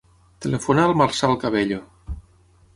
Telefona al Marçal Cabello.